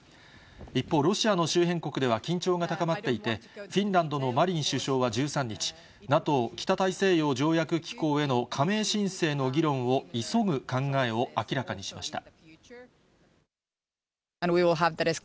一方、ロシアの周辺国では緊張が高まっていて、フィンランドのマリン首相は１３日、ＮＡＴＯ・北大西洋条約機構への加盟申請の議論を急ぐ考えを明らかにしました。